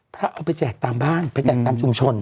เอาไปแจกตามบ้านไปแจกตามชุมชน